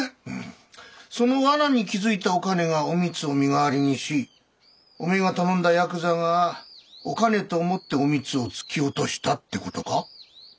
その罠に気付いたお兼がお美津を身代わりにしおめえが頼んだやくざがお兼と思ってお美津を突き落としたって事か？